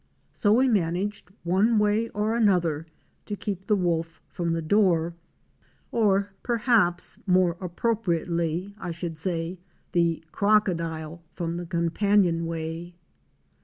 So we managed one way or another to keep the wolf from the door, or perhaps more appropriately I should say, the crocodile from the com panionway.